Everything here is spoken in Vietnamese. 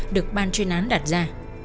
được ban chuyên án đặt ra